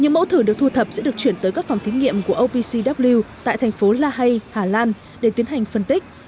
những mẫu thử được thu thập sẽ được chuyển tới các phòng thí nghiệm của opcw tại thành phố la hay hà lan để tiến hành phân tích